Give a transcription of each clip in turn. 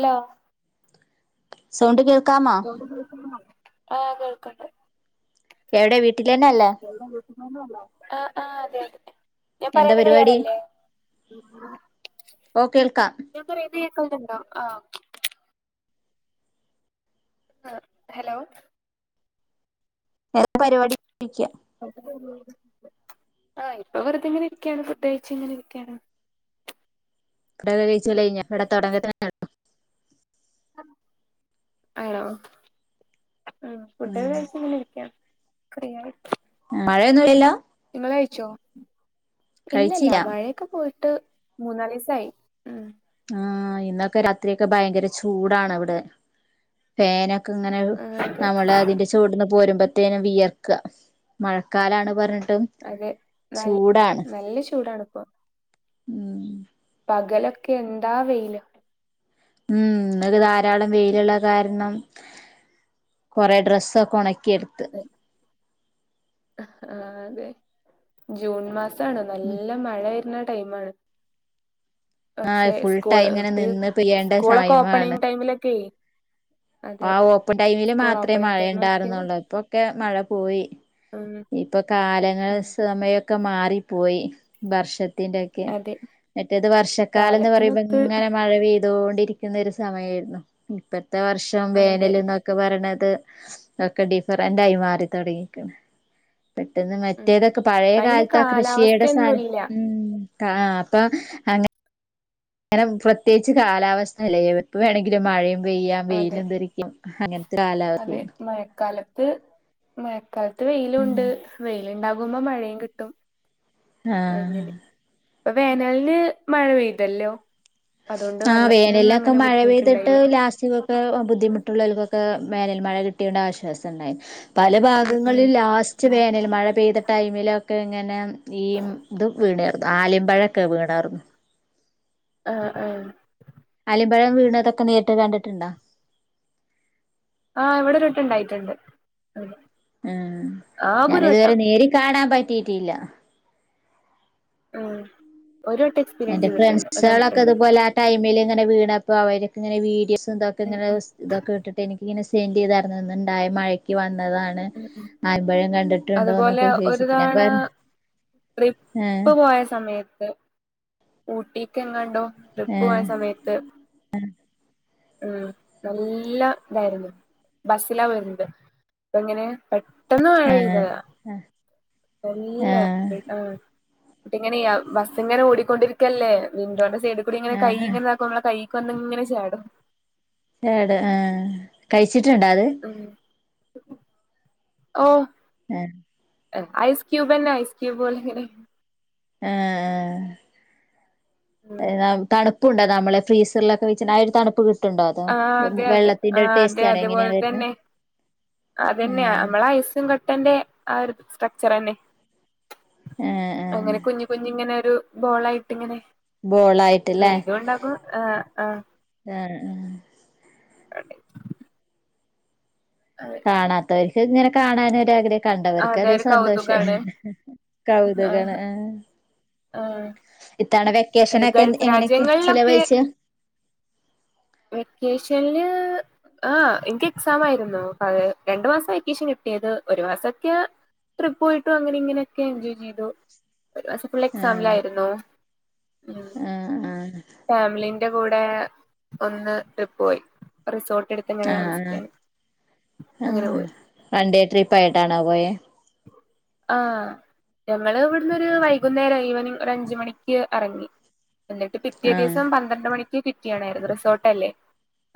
Hello sound കേൾക്കാമൊ ആഹ് കേൾക്ക്ണ്ട് എവടെ വീട്ടിലന്നെ അല്ലേ വെള്ളം കുടിക്കുന്നത് കൊണ്ട് നന്നാവും ആഹ് ആഹ് കേട്ട് ഞാൻ എന്താ പറയണ പരിപാടി ക്ലിയറല്ലേ. ഓ കേൾക്കാം ഇങ്ങള്ക് റെഡി ആയ അക്കൗണ്ട് ഉണ്ടോ ആ ഹലോ എന്താ പരിപാടി ചോയ്ക്ക ആഹ് ഇപ്പൊ വെറുതെങ്ങനെ ഇരിക്കാണ് ഫുഡഴിച്ച ഇങ്ങനെ ഇരിക്കാണ് ഫുഡ് ഒക്കെ കഴിച്ചൽ കഴിഞ്ഞോ ഇവിടെ തുടങ്ങുന്നേ ഒള്ളു ആണോ ആ ഫുഡൊക്കെ ഉം കഴിച്ച് ഇങ്ങനെ ഇരിക്കാ കഴിഞ്ഞീണ് മഴയൊന്നും ഇല്ലല്ലോ നിങ്ങൾ കഴിച്ചോ കഴിച്ചില്ല ഇല്ലല്ല മഴ ഇക്ക പോയിട്ട് മൂന്നാല് ദിവസായി ആ ഇന്നൊക്കെ രാത്രി ഒക്കെ ഭയങ്കര ചൂടാണ് ഇവിടെ ഫേനൊക്കെ ഇങ്ങനെ ആഹ് അതെ നമ്മള് അതിന്റെ ചൂട്ന്ന് പോരുമ്പത്തേനും വിയർക്ക മഴക്കാലാണ് പറഞ്ഞിട്ട് അതേ നല്ല ചൂടാണി ഇപ്പൊ ഉം പകലൊക്കെ എന്താ വെയില് ഉം ഇന്നൊരു ധാരാളം വെയിലുള്ള കാരണം കൊറേ ഡ്രെസ്സൊക്കെ ഉണക്കിയെടുത്ത് ആഹ് അതെ ജൂൺ മാസവാണ് നല്ല മഴ വരുന്ന ടൈമാണ് ആ പക്ഷെ ഫുൾ സ്കൂൾ ടൈം ഇങ്ങനെ [unintelligible] നിന്ന് പെയ്യേണ്ട സ്കൂളൊക്കെ ടൈമാണ് ഓപ്പണിങ്ങ് ടൈമിലൊക്കെയേ ആഹ് ഓപ്പൺ ടൈമില് മാത്രവേ മഴ ടൈമൊക്കെ ഉണ്ടായിരുന്നുള്ളൂ ഇപ്പൊക്കെ മഴ പോയി ഉം ഇപ്പൊ കാലങ്ങൾ ഉം സമയൊക്കെ മാറിപ്പോയി വർഷത്തിന്റെയൊ ക്കെ അതെ മറ്റേത് വർഷക്കാലമെന്ന് പറയുമ്പം കാലത്തിനൊത്ത് ഇങ്ങനെ മഴ പെയ്തോണ്ടിരിക്കുന്ന ഒരു സമയമായിരുന്നു ഇപ്പഴത്തെ വർഷം അതെ വേനലന്നൊ ക്കെ പറയണത് ഒക്കെ ഡിഫറന്റയി മാറി തുടങ്ങിയേക്കണ് പെട്ടെന്ന് ഉം മറ്റേതൊക്കെ ഇപ്പ പഴയ അയിന് കാലത്ത് ആ കൃഷിയുടെ സ്ഥാനം കാലാവസ്ഥയൊന്നുല്ല ഉം ത്താ അപ്പൊ അ അങ്ങനെ പ്രത്യേകിച്ച് കാലാവസ്ഥ അല്ലേ എപ്പ വേണങ്കിലും മഴയും പെയ്യാം അതെ വെയിലും ധരിക്കും അങ്ങനത്തെ അതെ കാലാവസ്ഥയാണ് മഴക്കാലത്ത് മഴക്കാലത്ത് വെയിലുമുണ്ട് വെയിലുണ്ടാകുമ്പോ മഴയും കിട്ടും ആഹ് അങ്ങനെ ഇപ്പൊ വേനലിന് മഴ പെയ്തല്ലോ അതുകൊണ്ട് ആഹ് വെള്ളത്തിനൊന്നും വേനലിനൊക്കെ അങ്ങനെ മഴ പെയ്തിട്ട് ബുദ്ധിമുട്ടുണ്ടായില്ല ലാസ്റ്റ് ഇതൊക്കെ ബുദ്ധിമു മറ്റുള്ളവർക്കൊക്കെ വേനൽ മഴ കിട്ടിയോണ്ട്‌ ആശ്വാസം ഉണ്ടായി പല ഉം ഉം ഭാഗങ്ങളിൽ ലാസ്റ്റ് ഉം വേനൽ മഴ പെയ്ത ടൈമിലൊക്കെ ഇങ്ങനെ ഈ ഇത് വീണാർന്നു ആലിമ്പഴവൊക്കെ വീണാർന്നു ആഹ് ആഹ് അലിമ്പഴം വീണുന്നതൊക്കെ നേരിട്ട് കണ്ടിട്ടുണ്ടോ ആഹ് ഇവിടെ ഒരു വട്ടമുണ്ടായിട്ടുണ്ട് ആഹ് ഞാനിതുവരെ നേരിൽ കാണാൻ പറ്റിയിട്ടില്ല ആഹ് ഒരു വട്ടം എക്സ്പീരിയൻസ് ചെയ്തിട്ടുണ്ട് കണ്ടിട്ടുണ്ട് ടൈമില് ഇങ്ങനെ വീണ് അപ്പോ അവരൊക്കെ ഇങ്ങനെ വീഡിയോസ് എന്തൊക്കെ ഉം ഇങ്ങനെ ഉം ഇതൊക്കെ ഇട്ടിട്ട് എനിക്കിങ്ങനെ സെന്റ് ചെയ്തായിരുന്ന് ഇന്നുണ്ടായ മഴക്ക് വന്നതാ ണ് ഉം ഉം ആലിമ്പഴം അതുപോലെ കണ്ടിട്ടുണ്ടോന്നൊക്കെ ഒരു ചോദിച്ചിട്ട് ഞാൻ തവണ പറഞ്ഞു ആഹ് ട്രിപ്പ് പോയ സമയത്ത് ഊട്ടിക്ക് എങ്ങാണ്ടോ ട്രിപ്പ് പോയ ആഹ് സമയത്ത് ഉം നല്ല ഇതായിരുന്നു ബസിലാ വരുന്നത് അപ്പ എങ്ങനെയാ ആഹ് ആഹ് നല്ല ആഹ് എന്നിട്ട് ഇങ്ങനെ ബസ് ഇങ്ങനെ ഓടിക്കൊണ്ടിരിക്കല്ലേ വിൻഡോന്റെ സൈഡിൽ കൂടി ഇങ്ങനെ കൈ ആഹ് ഇങ്ങനെ നമ്മടെ കൈക്ക് വന്ന് ഇങ്ങനെ ചാടും. ചാടും ആ കഴിച്ചിട്ടുണ്ടാ അത് ആഹ് ആഹ് ഉം. ഐസ്ക്യൂബന്ന ഐയിസ്ക്യൂ ബ് പോലെ. ആഹ് ഉം അതിനാവും തണു പ്പുണ്ടോ നമ്മളെ ഫ്രീസറിലൊക്കെ വെച്ചുള്ള ആ ഒരു തണുപ്പ് ട്ടുണ്ടോ അതോ ആഹ് അതെ അതെ വെള്ളത്തിന്റെ ആഹ് ടേസ്റ്റ് ആണോ എങ്ങനെ വരുന്നത് അതന്നെയാ ആഹ് നമ്മളെ ഐസ്സും കട്ടന്റെ ആ ഒരു സ്ട്രക്ചർന്നെ. ഏഹ് ഏഹ് അങ്ങനെ കുഞ്ഞ് കുഞ്ഞ് ഇങ്ങനെ ഒരു ബോളായിട്ട് ഇങ്ങനെ ബോളായിട്ടല്ലേ ആഹ് ആഹ് [unintelligible] [inaudible] കാണാത്തവര്ക്ക് ഇങ്ങനെ കാണാനൊരാഗ്രഹം കണ്ടവര്ക്ക് അതെ അതൊര് ഒരു സന്തോഷം കൗതുകാണ് കൗതുകം ആഹ് ആണ് ആ ആഹ്. ഇത്തവണ വെക്കേഷനൊക്കെ എങ്ങനെയൊക്കെയ ചെലവഴിച്ച്. വെക്കേഷൻല്. ആ ഇൻക്ക് എക്സാമായിരുന്നു പകൽ രണ്ടു മാസാ വെക്കേഷൻ കിട്ടിയത് ഒരു മാസൊക്കേ ട്രിപ്പ് പോയിട്ടും അങ്ങനെ ഇങ്ങനെയൊക്കെ എൻജോയ് ചെയ്തു ഒരു മാസം ഫുള്ള് ആഹ് എക്സാമിലായിരുന്നു. ഉം. ആഹ് ആഹ് ഫാമിലിന്റെ കൂടെ ഒന്ന് ട്രിപ്പ് പോയി റിസോർട്ട് എടു ത്ത് ങ്ങനെ ആഹ് താമസിക്കാന് അങ്ങനെ ആഹ് പോയി. വൺ ഡെ ട്രിപ്പ് ആയിട്ടാണോ പോയെ? ആഹ്. ഞങ്ങള് ഇവട്ന്നൊരു വൈകുന്നേരം ഈവനിംഗ് ഒരു അഞ്ച് മണിക്ക് എറങ്ങി. എന്നിട്ട് പിറ്റേ ആഹ് ദിവസം പന്ത്രണ്ട് മണിക്ക് ക്വറ്റ്യണായിരുന്നു റിസോർട്ട് അല്ലേ.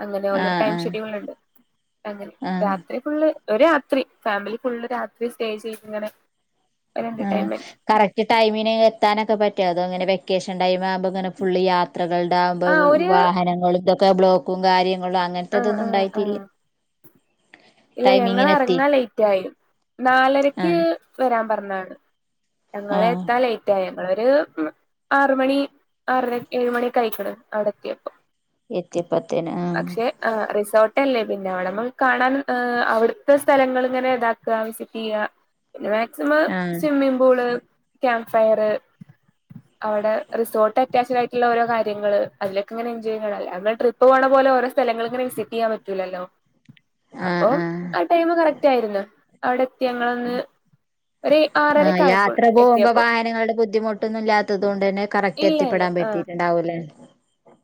അങ്ങനെ ഓലൊര് ആഹ് ടൈം ആഹ് ഷെഡ്യൂൾ ഉണ്ട് അങ്ങനെ ആഹ് രാത്രി ഫുള്ള് ഒരു രാത്രി ഫാമിലി ഫുള്ള് രാത്രി സ്റ്റേ ചെയ്ത് ഇങ്ങനെ ഒരു ആഹ് എന്റർടൈമെന്റ്. കറക്റ്റ് ടൈമിന് എത്താനൊക്കെ പറ്റോ അതോങ്ങനെ വെക്കേഷൻ ടൈം ആവുമ്പോ ഇങ്ങന ഫുള്ള് യാ യാത്രകൾടാവുംമ്പ ആഹ് ഒരു വാഹനങ്ങളും തൊക്കെ ബ്ലോക്കും കാര്യങ്ങളും ആഹ് അങ്ങൻത്തെതൊന്നും ആഹ് ഉണ്ടായിറ്റില്ല്യ ആഹ് ഇല്ല ഞങ്ങള് എറങ്ങാൻ ലേറ്റ് ആയി നാലരയ്ക്ക് ആഹ് വരാൻ പറഞ്ഞതാണ്. ഞങ്ങളെ ആഹ് എത്താൻ ലെ റ്റ് ആയി ഞങ്ങളൊരു ഒരു ആറ് മണി ആറര ഏഴ്മണിക്കെ അയ്ക്ക്ണ് അവ്ടെത്ത്യേപ്പൊ. എത്തിയപ്പോത്തിന് ആ ആ റിസോർട്ടല്ലേ പിന്നെ അവ്ടെമ്മക്ക് കാണാൻ അവിട്ത്തെ സ്ഥലങ്ങള് ഇങ്ങനെ ഇതാ വിസിറ്റ് ചെയ്യ പിന്നെ മാക്സിമം ആഹ് സ്വിമ്മിംങ്ങ് പൂള് ക്യാമ്പ് ഫയർ. അവ്ടെ റിസോർട്ട് അറ്റാച്ചഡ് ആയിട്ടുള്ള ഓരോ കാര്ങ്ങള് അയ്ലൊക്കെങ്ങനെ എൻജോയ് ചെയ്യ ട്രിപ്പ ഡ്രിപ്പ് പോണ പോലെ ഒരോ സ്ഥലങ്ങള് ഇങ്ങനെ വിസിറ്റ് ചെയ്യാൻ പറ്റൂലല്ലോ. ആഹ് അപ്പോം ആഹ് ആ ടൈമ് കറക്റ്റ് ആയിരുന്ന് അവ്ടെത്തി ഞങ്ങളൊന്ന് ഒരു ആറര ആഹ് യാത്ര പോകുമ്പോ വാഹനങ്ങളുടെ ബുദ്ധിമുട്ടൊന്നും ഇല്ലത്തത് കൊണ്ട് തന്നെ കറക്റ്റ് ഇല്ല ഇല്ല എത്തിപ്പെടാൻ ആഹ് പറ്റിട്ടുണ്ടാവൂല്ലേ.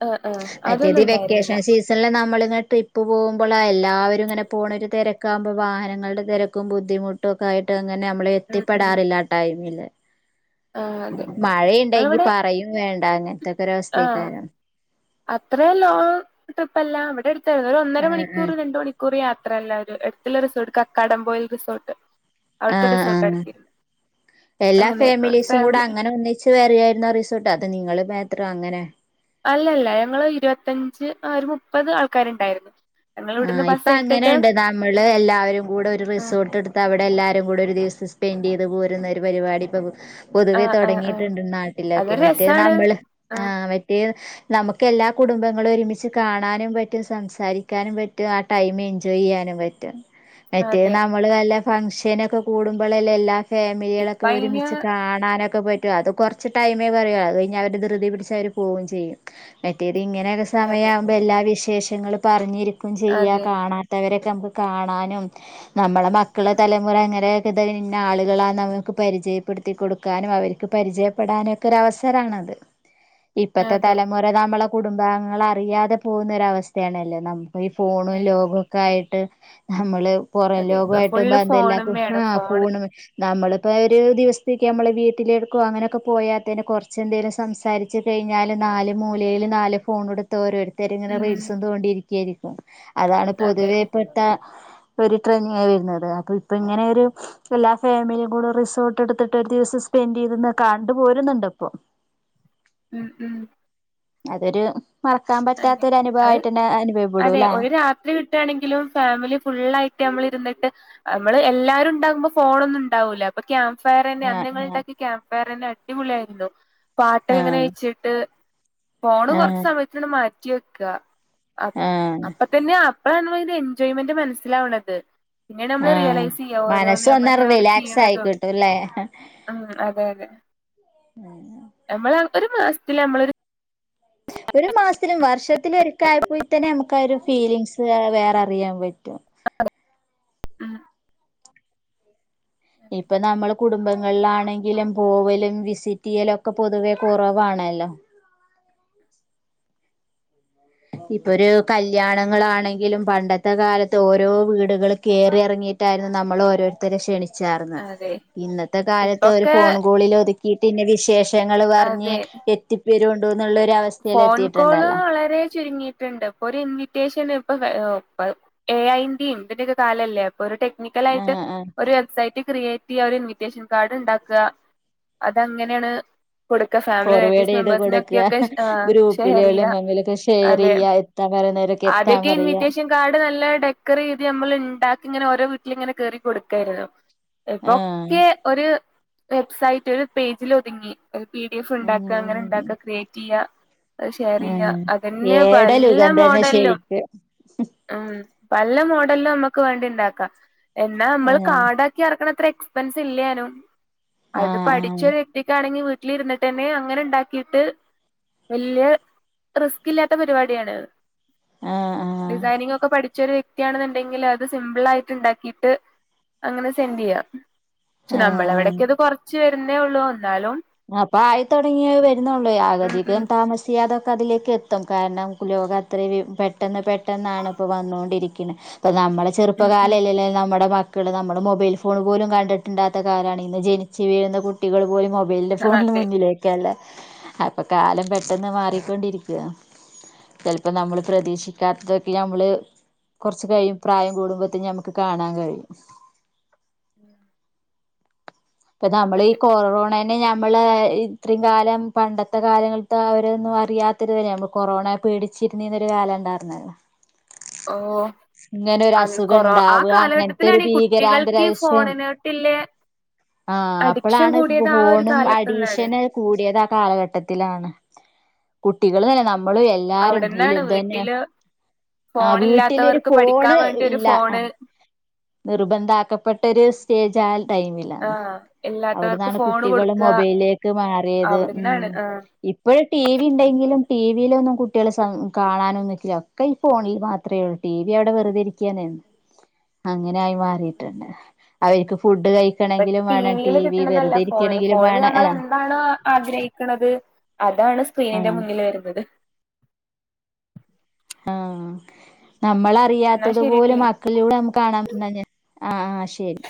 ആഹ് ആഹ് മറ്റേത് അതൊന്നും ഈ ഉണ്ടായിരുന്നില്ല വെക്കേഷൻ സീസ് സൺല് നമ്മളിങ്ങനെ ട്രിപ്പ് പോകുമ്പള് എല്ലാരും ഇങ്ങനെ പോണ ഒരു തിരക്കാവുമ്പോ വാഹനങ്ങളുടെ തിരക്കും ബുദ്ധിമുട്ടും. ട്ടും ഒക്കെ ആയിട്ട് അങ്ങനെ നമ്മള് ഉം ഉം എത്തിപ്പെടാറില്ല ആ ടൈമില്. ആഹ് അതെ മഴയുണ്ടെങ്കി നമ്മളിവിടെ പറയും വേണ്ട അങ്ങനത്തക്കെ ഒരു അവസ്ഥേക്കാരം. അത്ര ലോങ് ട്രിപ്പ് അല്ല ഇവിടെ എടുത്തായിരുന്നു ഒരു ഒന്നര ആഹ് ആഹ് മണിക്കൂറ് രണ്ട് മണിക്കൂറ്. ക്കൂറ് യാത്രയല്ല ഒരു എട്ത്തുള്ള റിസോർട്ട് കക്കാടം പൊയിൽ റിസോർട്ട്. ആ അവിടുത്തെ ആ റിസോർട്ട് എടുത്തിരുന്നു എല്ലാ അങ്ങനെ ഫാമിലീസും കൂടെ ഫാമിലി അങ്ങനെ ഒന്നി ച്ച് വേറിയായിര്ന്നോ ആ റിസോർട്ട് അത് ന്നിങ്ങൾ മേത്രോ അങ്ങനെ അല്ലല്ലാ ഞങ്ങള് ഇരുപത്തഞ്ച് ആ ഒര് മുപ്പെത് ആൾക്കാര്ണ്ടായിരുന്നു. ആ ഇപ്പ അങ്ങനെയ്ണ്ട് നമ്മള് എല്ലാരും കൂടെ ഒരു ആഹ് റിസോർട്ട് എട്ത് ത്ത് അവ്ടെ എല്ലാരുംകൂടി ഒര് ദിവസം സ്പെന്റെയ്ത് പോരുന്നൊരു പരുവാടി ഇപ്പോ പു പൊതുവെ ആഹ് ആഹ് ആഹ് തൊടങ്ങിയിട്ട്ണ്ട് നാട്ടിലൊക്കെ അതൊരു മറ്റേ രസാണ് ന്നമ്മൾ ആഹ്. റ്റെ ന്നമുക്ക് എല്ലാ കുടുംബങ്ങളൊരുമിച് കാണാനും പറ്റും സംസാരി ക്കാനും പറ്റും ആ ടൈമ് എൻജോയ് ചെയ്യാനും പറ്റും. മറ്റെ അതെ ന്നമ്മ ന്നമ്മൾ ന്നല്ലെ ഫംങ്ങ്ഷനൊക്കെ കൂടുമ്പളല്ലെ എല്ലാ ഇപ്പ ഫാമിലികളൊക്കെ അയിന് ഒരുമിച്ച് കാണാനൊക്കെ പറ്റ് റ്റു അത് കൊർച്ച് ടൈമേ പറയു അത് കഴിഞാ അവര് ധൃതി പിടിച്ച്അവര് പോവും ചെയ്യും. മറ്റേത് ഇങ്ങെനെയൊക്കെ അതെ സമയവുമ്പോ എല്ലാ വിശേഷങ്ങളും പറഞ്ഞിരിക്കും ചെയ്യാ അതെ കാണാൻ ത്തവരൊക്കെ ന്നമുക്ക് കാണാനും ന്നമ്മളെ മക്കള് ഉം തലമുറ അങ്ങെനെ ഇതയ്ന് ഇന്ന ആളുകളാ ന്നമുക്ക് പരിചയപ്പെടുത്തി കൊട്ക്കാനും അവർക്ക് പരിചയപ്പെടാനു ഒക്കെ ഒരവസരാണത്. ഇപ്പത്തെ അതെ തലമുറ ന്നമ്മളെ കുടുംബാംഗങ്ങളെ അറിയാതെ പോകുന്ന ഒരഅവസ്ഥയാണല്ലോ ന്നം ഇപ്പൊ ഈ ഫോണും ആഹ് ലോഗൊക്കെ ആഹ് ആയിട്ട് ന്നമ്മള് അതെ ഇപ്പ പുറംലോകായിട്ട് ഫുള്ള് ബന്ധെല്ല ഫോണുമ്മേണ് കുഷ്ണാ ഫോണ് പോണ് ന്നമ്മളിപ്പോ ഒര് ദിവസത്തേക്ക് ന്നമ്മള് വീട്ടിലെടുക്കോ അങ്ങനെയൊക്കെ പോയാതെന്നെ കൊർച്ച് എന്തേലും സംസാരി ച്ച് കഴ്‌ഞ്ഞാല് ന്നാല് മൂലെയില് ന്നാല് ഫോൺട് ത്ത് ഓരോരുത്തർ ഇങ്ങെനെ ഉം റീൽസും തോണ്ടിയിരിക്കായായിര്ക്കും അതാണ് അതെ പൊതുവെ പ് ത്ത ഒര് ഡ്രിങ് ആയി വെരുന്നത് അപ്പൊ ഇപ്പൊ ഇങ്ങെനെ ഒരു എല്ലാ ഫാമിലിയും കൂടെ റിസോർട്ട് എടുത്തിട്ട് ഒര്ദിവസം സ്പെന്റ് ചെയ്ത്ന്ന് കണ്ടു പോരുന്നുണ്ട് ഇപ്പൊ. ഉം, ഉം അതൊരു മറക്കാൻ അയിന് പറ്റാത്തൊരു അത് അനുഭവായിട്ടെന്നെ അതെ അനുഭവപ്പെടുംലെ? ഒരു രാത്രി കിട്ട് ട്ടാണെങ്കിലും ഫാമിലി ഫുള്ളായിട്ട് ന്നമ്മൾ ഇര്ന്ന്ട്ട് അമ്മള് എല്ലാരും ഇണ്ടാകുമ്പോ ഫോണൊന്നും ഇണ്ടാവൂല. ഇപ്പൊ ക്യാമ്പ് ഫയറെന്നെ അന്ന് ഞങ്ങള് ആഹ് ഇണ്ടാക്കിയ ക്യാമ്പ് ഫയറെന്നെ അടിപൊളിയായിര്ന്നു പാട്ടൊക്കെ ഇങ്ങെനെ ആഹ് ച്ച് ട്ട് ഫോണ് കൊർച്ച് ആഹ് സമയത്തിന്ന് മാറ്റി വെക്ക. അപ് ആഹ് അപ്പതന്നെയാ അപ്പാണ് അയ്ന്റെ എൻജോയ്മെന്റ് മനസ്സിലാവ്ണത്. പിന്നെ ന്നമ്മള് ആഹ് റിയലൈസിയ്യാ ഓരോന്ന് മനസ്സ് ഒന്നങ്ങട് ന്നമ്മളിങ്ങെനെ ഓരോന്ന് റിലാക്സ് ആയി ച്ചിയ്യ്ണതും. കിട്ടുംല്ലേ ഉം അതെ, അതെ ഞമ്മള് ഒര് മാസത്തില് ഞമ്മളൊരു ഒരു മാസത്തിലും വർഷത്തിലുംഒരിക്ക ആയിപ്പോയി തന്നെ ന്നമുക്ക് ഒര് ഫീലിംങ്ങ്സ് വേറെ അറിയാൻ പറ്റും. അഹ ഇപ്പൊ ന്നമ്മള് കുടുംബങ്ങളിലാണെങ്കിലും പോവെലും വിസിറ്റിയ്യെലൊക്കെ പൊതുവേ കൊറവാണല്ലോ? ഇപ്പൊരു കല്യാണങ്ങളാണെങ്കിലും പണ്ടെത്തെ കാലെത്ത് ഓരോ വീടുകൾ കേറി എർങ്ങി ട്ടായിര്ന്നു ന്നമ്മൾ ഓരോര്ത്തരെ ക്ഷണി ചാർന്നെ അതെ ഇന്നെത്തെ കാലെത്ത് ഒര് ഇപ്പൊക്കെ ഫോൺ കോളിൽ ഒതുക്കിട്ട് ഇന്നവിശേഷ് ശങ്ങൾ പർഞ്ഞ് അതെ എത്തിപ്പേരേണ്ടു ന്നുള്ളൊരു അ ഫോൺ കോള് വളരെ ചുരുങ്ങിയിട്ട്ണ്ട് അപ്പൊ ഒരു ഇൻവിറ്റേഷൻ ഇപ്പൊ എ ഐന്റിം ഇതിന്റെക്കെ കാലല്ലേ ഒരു ആ ടെക്നിക്കലായിട്ട് ആ ഒര് സൈറ്റ് ക്രിയേറ്റ്യ്യ ഒരു ഇൻവിറ്റേഷൻ കാർഡ് ഇണ്ടാക്ക അത അങ്ങെനെണ് കൊടുക്ക ഫേ ഫോർവേടെയ്ത് കൊട്ക്ക ഗ്രൂപ്പിലുള്ള ഷെയർ ചെയ്യുക ലൊലും ഒക്കെ ഷെയെർ ചെയ്യ എത്താൻ പറയുന്നെര ആദ്യൊക്കെ ഇൻവിറ്റേഷെൻ കാർഡ് നല്ലെ ഡെക്കെറെയ്യ്ത് ന്നമ്മള് ഇണ്ടാക്കി ഇങ്ങെനെ ഓരോ വീട്ടില് ഇങ്ങെനെ കേറി കൊടുക്കായിര്ന്നു. ആ ഇപ്പൊക്കെ ഒര് വെബ്സൈറ്റ് ഒര് പേജില് ഒത്ങ്ങി. ഒര് പി ഡി എഫ് ഉം ഇണ്ടാക്ക ഇങ്ങെനെ ഉം ഇണ്ടാക്ക ക്രിയേറ്റ്യ്യാ. അഹ് ആ ശെയ്റ്ചെയ്യ അതെന്നെ ഏടെ പല്ല ലുഖം മോ തന്നെ ണ്ടല്ലോ ശരിക്ക് മം പല്ല മോഡലും നമ്മുക്ക് വേണ്ടിണ്ടാക്കാം എന്നാ ആ നമ്മള് കാർഡാക്കി ഇറക്കണ അത്ര എക്സ്പെൻസ് ഇല്ലാനും ആ അത് പഠിച്ചരു വ്യക്തിക്കാണെങ്കി വീ വീട്ടിലിരുന്നിട്ട് തന്നെ അങ്ങനെ ഉണ്ടാക്കിയിട്ട് വലിയ റിസ്ക് ഇല്ലാത്ത പരിപാടിയാണ് ആഹ് ആ ഡിസൈനിങ് ഒക്കെ പഠിച്ചൊരു വ്യക്തിയാണെന്നുണ്ടെങ്കിൽ അത് സിമ്പിൾ ആയിട്ട് ഉണ്ടാക്കിയിട്ട് അങ്ങനെ സെന്റ് ചെയ്യാം, പക്ഷെ നമ്മളെ ആഹ് എവിടെക്കെ അത് കുറച്ച് വരുന്നേ ഉള്ളൂ എന്നാലും അപ്പ ആയിതുടെങ്ങിയ വരുന്നുള്ളേ ഉം ആഗതിക്ക ഉം താമസ ചെയ്യാതെ ഒക്കെ അതിലേക്ക് എത്തും, കാരണം ലോകം അത്രയും പെട്ടെന്ന് പെട്ടെന്നാണ് ഇപ്പോൾ വന്നുകൊണ്ടിരിക്കുന്നത് ഇപ്പ നമ്മളെ ഉം ഉം ചെറുപ്പകാലല്ലല്ലേ നമ്മുടെ മക്കൾ ക്ക്ൾ നമ്മള് മൊബൈൽ ഫോൺ പോലും കണ്ടിട്ട്ല്ലാത്ത കാലമാണ് ഇന്ന് ജനിച്ചു വീഴുന്ന കുട്ടികൾ പോലും മൊബൈൽ ഫോണിന് അതെ മുന്നിലേക്കല്ലേ അപ്പൊ കാലം പെട്ടെന്ന് മാറിക്കൊണ്ടിരിക്കുവ. ചെലപ്പോ നമ്മള് പ്രതീക്ഷിക്കാത്തതൊക്കെ നമ്മള് കുറച്ച് കഴിയും പ്രായം കൂടുമ്പോഴത്തേ നമുക്ക് കാണാൻ കഴിയും ഉം ഇപ്പൊ നമ്മള ഈ കൊറോണ ന്നെ നമ്മള് ഇത്ര കാലം പണ്ടത്തെ കാലങ്ങള അവരൊന്നും അറിയാത്തരുന്ന കൊറോണ പേടിച്ചിരുന്നീന്നൊരു കാലം ഉണ്ടായിറ്ന്നു ഓഹ് ഇങ്ങനെ ഒരു അസുഖം ഉണ്ടാ ഇങ്ങനത്തെ ഒരു ഈ കുട്ടികൾക്ക് ഈ ഭീകരന്തരീക്ഷം ഫോണിനോട്ടില്ലെ ആഹ് അഡിക്ഷൻ അപ്പോളാണ് കൂടിയത് ആ ഒരു ഫോണും കാലത്ത്ന്നാണ് അഡീഷന് കൂടിയത് ആ കാലഘട്ടത്തിലാണ് കുട്ടികൾ തന്നെ നമ്മളും എല്ലാരും തി അവിടെന്നാണ് തന്നെ വീട്ടില് ആ വീട്ടിലൊരു ഫോണില്ലാത്തവർക്ക് പഠിക്കാൻ ഫോണ് വേണ്ടി ഒരു ഇല്ല ആ ഫോണ് നിർബന്ധ ആക്കപ്പെട്ട ഒരു സ്റ്റേജ് ആയാ ടൈമില ആഹ് ഇല്ലാത്തവർക്ക് അവിടന്നാണ് ഫോണ് കുട്ടികള് കൊടുക്ക മൊബൈലിലേക്ക് മാറിയത് ഉം അവിടുന്നാണ് ആഹ് ഇപ്പോഴും ടി വി ഉണ്ടെങ്കിലും ടി വിയിലൊന്നും കുട്ടികള് കാണാനോ ഒന്നിക്കില്ല ഒക്കെ ഫോണിൽ മാത്രമേ ഉള്ളൂ ടി വി അവിടെ വെറുതിരിക്കാനെന്നുള്ളു [inaudible] അങ്ങനെ ആയി മാറിട്ടുണ്ട് അവർക്ക് ഫുഡ് കഴിക്ക ഇപ്പ ടിവിൽ കിട്ടണതല്ല ഫോണില് ഫോണിൽ വേണം ഏഹ് നമ്മളെന്താണോ ആഗ്രഹിക്കണുന്നത് അതാണ് സ്ക്രീനിന്റെ ആഹ് മുന്നിൽ വരുന്നത് ആഹ് എന്നാ നമ്മളറിയാത്തത് പോലും ശരിട്ടില്ലേ മ ക്ക് ഇതിലൂടെ നമ്മുക്ക് കാണാൻ പറ്റണേ ആ ആ ശരി